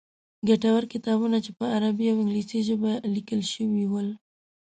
ګټور کتابونه چې په عربي او انګلیسي ژبې لیکل شوي ول.